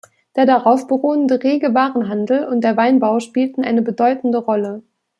Der darauf beruhende rege Warenhandel und der Weinbau spielten eine bedeutende Rolle.